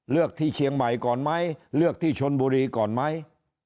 ที่เชียงใหม่ก่อนไหมเลือกที่ชนบุรีก่อนไหม